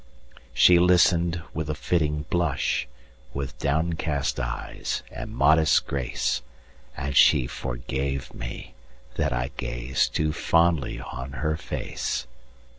She listen'd with a flitting blush, With downcast eyes and modest grace; And she forgave me, that I gazedToo fondly on her face!